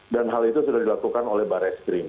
dan hal itu sudah dilakukan oleh barreskrim